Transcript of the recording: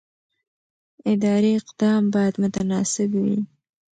اداري اقدام باید متناسب وي.